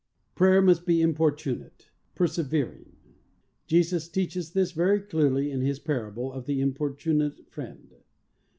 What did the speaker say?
Prayer must be importunate, persevering. Jesus teaches this very clearly in His par able of the importunate friend.